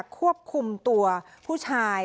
ควบคุมตัวผู้ชาย